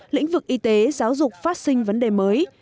lĩnh vực y tế giáo dục phát sinh vấn đề mới